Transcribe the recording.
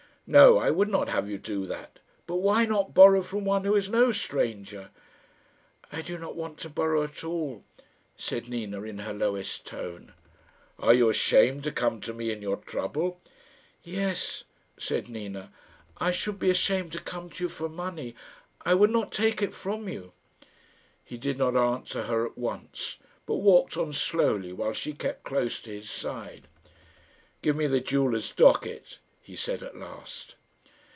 "No; I would not have you do that. But why not borrow from one who is no stranger?" "I do not want to borrow at all," said Nina, in her lowest tone. "Are you ashamed to come to me in your trouble?" "Yes," said Nina. "I should be ashamed to come to you for money. I would not take it from you." He did not answer her at once, but walked on slowly while she kept close to his side. "Give me the jeweller's docket," he said at last.